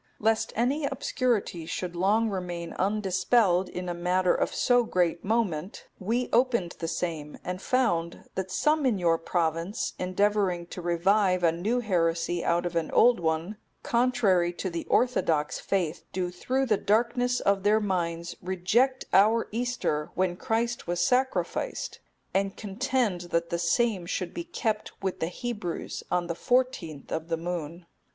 Lest any obscurity should long remain undispelled in a matter of so great moment, we opened the same, and found that some in your province, endeavouring to revive a new heresy out of an old one, contrary to the orthodox faith, do through the darkness of their minds reject our Easter, when Christ was sacrificed; and contend that the same should be kept with the Hebrews on the fourteenth of the moon."